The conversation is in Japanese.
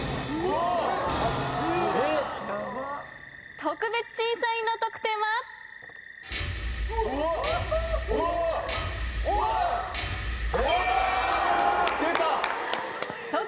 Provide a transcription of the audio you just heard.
特別審査員の得点は？出た！